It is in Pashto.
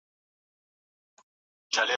لمر له ختيځ لوري راخيږي.